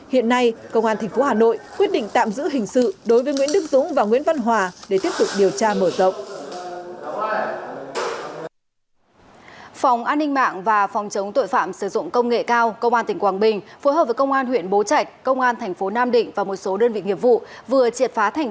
hiện nay công an tp hà nội quyết định tạm giữ hình sự đối với nguyễn đức dũng và nguyễn văn hòa để tiếp tục điều tra mở rộng